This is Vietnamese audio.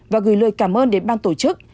và gửi lời cảm ơn đến ban tổ chức